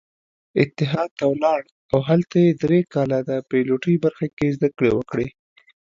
اتحاد ته ولاړ او هلته يې درې کاله د پيلوټۍ برخه کې زدکړې وکړې.